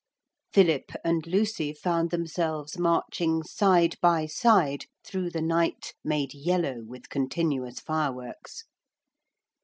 Philip and Lucy found themselves marching side by side through the night made yellow with continuous fireworks.